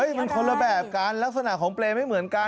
มันคนละแบบกันลักษณะของเปรย์ไม่เหมือนกัน